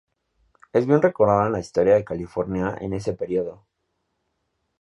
Es bien recordado en la historia de California en ese periodo.